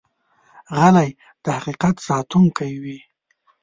غلی، د حقیقت ساتونکی وي.